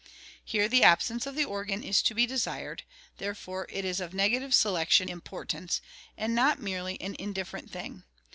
Here the absence of the organ is to be desired, therefore it is of negative selection importance and not merely an indifferent thing.